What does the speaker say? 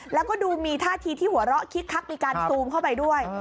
แล้วก็ดูมีท่าทีที่หัวเราะคิกคักมีการซูมเข้าไปด้วย